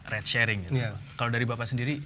red sharing kalau dari bapak sendiri